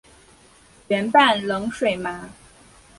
圆瓣冷水麻